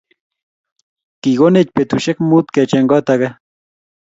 Kikonech betushek muut kecheng kot ake